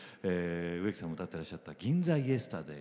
植木さんがお歌いになってらっしゃった「銀座イエスタデイ」。